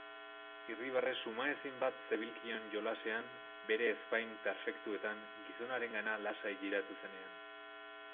Irribarre sumaezin bat zebilkion jolasean bere ezpain perfektuetan gizonarengana lasai jiratu zenean.